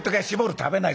「食べない。